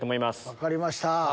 分かりました。